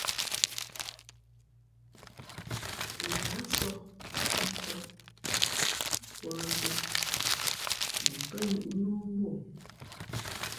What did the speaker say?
O lāh sɔ̌h ncǒp túkwa zō mα ǒ kάyūʼ nā o mbū o.